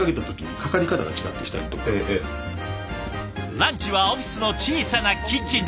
ランチはオフィスの小さなキッチンで。